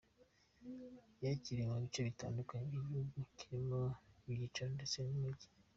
Yakiniwe mu bice bitandukanye by’igihugu birimo iby’icyaro ndetse n’umujyi.